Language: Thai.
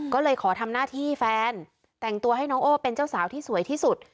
ก็เลยขอทำหน้าที่แฟนแต่งตัวให้น้องโอ้เป็นเจ้าสาวที่สวยที่สุด